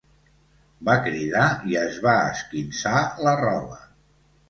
Va cridar i es va esquinçar la roba.